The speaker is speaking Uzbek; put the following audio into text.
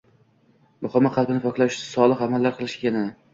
muhimi qalbni poklash, solih amallar qilish ekanini